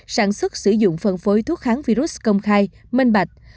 sản xuất sử dụng phân phối thuốc kháng virus công khai minh bạch